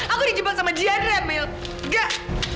aku di jebak sama jihad ya mil gak